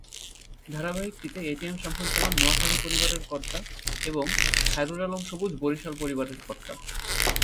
ধারাবাহিকটিতে A T M Shamsuzzaman Noakhali পরিবারের কর্তা এবং খায়রুল আলম সবুজ বরিশাল পরিবারের কর্তা।